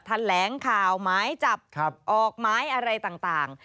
แถลงข่าวหมายจับออกหมายอะไรต่าง